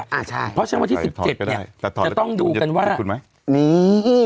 เพราะฉะนั้นวันที่สิบเจ็ดเนี้ยจะต้องดูกันว่าคุณไหมนี่